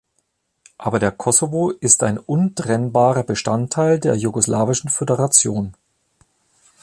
Aber der Kosovo ist ein untrennbarer Bestandteil der Jugoslawischen Föderation.